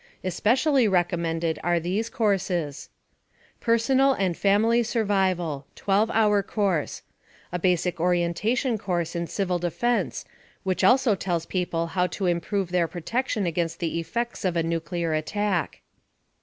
Especially recommended are these courses: "PERSONAL AND FAMILY SURVIVAL" (12 hour course) A basic orientation course in civil defense, which also tells people how to improve their protection against the effects of a nuclear attack.